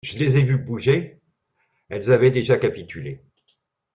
Je les ai vu bouger. Elle avait déjà capitulé.